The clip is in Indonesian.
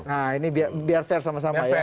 nah ini biar fair sama sama ya